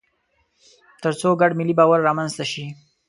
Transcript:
تر څو ګډ ملي باور رامنځته شي.